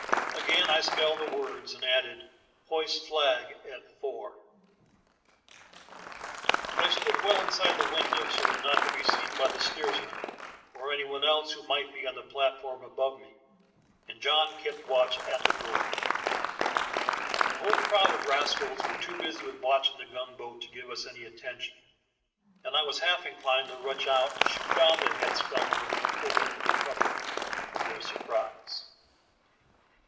Again I .spelled the words, and added, "Hoist flag at fore." I stood well inside the window, so as not to be seen by the steersman, or any one else who might be on the platform above me, and John kept watch at the door. The whole crowd of rascals were too busy with watching the gun boat to give us any atten tion, and I was half inclined to rush out and shoot down the head scoundrels before they could recover from their surprise.